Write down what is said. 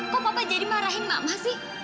kok papa jadi marahin mama sih